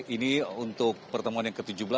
ini untuk pertemuan yang ke tujuh belas